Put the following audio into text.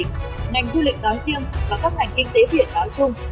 ngành du lịch đói tiêm và các ngành kinh tế biển nói chung